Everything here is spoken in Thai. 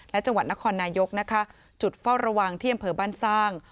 และจังหวัดนครนายกนะคะจุดเฝ้าระวังที่อำเภอบ้านสร้าง